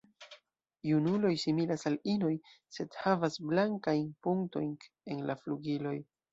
Junuloj similas al inoj, sed havas blankajn punktojn en la flugiloj.